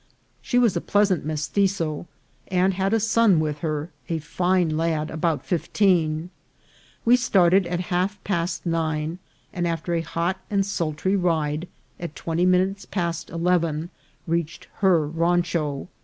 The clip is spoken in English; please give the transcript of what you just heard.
She was a pleasant Mestitzo, and had a son with her, a fine lad about fifteen. We started at half past nine, and, after a hot and sultry ride, at twenty minutes past eleven reached her rancho.